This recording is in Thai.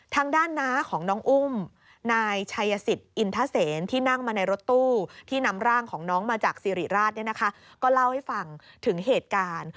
ทางด้านน้าของน้องอุ้มนายชัยสิทธิ์อินทเซนที่นั่งมาในรถตู้ที่นำร่างของน้องมาจากสิริราชเนี่ยนะคะก็เล่าให้ฟังถึงเหตุการณ์